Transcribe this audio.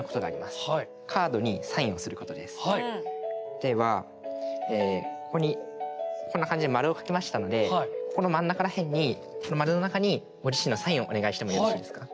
ではここにこんな感じで丸を書きましたのでこの真ん中ら辺にこの丸の中にご自身のサインをお願いしてもよろしいですか。